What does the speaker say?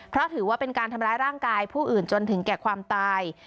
เพราะถือว่าเป็นการทำร้ายร่างกายผู้อื่นจนถึงแก่ความตาย